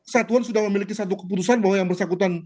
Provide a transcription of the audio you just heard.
satuan sudah memiliki satu keputusan bahwa yang bersangkutan